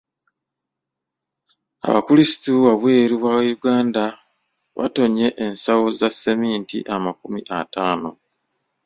Abakulisitu wabweru wa Uganda batonye ensawo za seminti amakumi ataano.